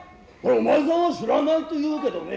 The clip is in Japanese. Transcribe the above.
お前さんは知らないと言うけどね